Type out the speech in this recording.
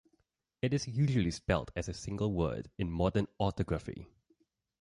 It is usually spelt as a single word in modern orthography.